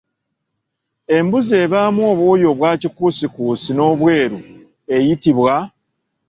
Embuzi ebaamu obwoya obwa kikuusikuusi n'obweru eyitibwa?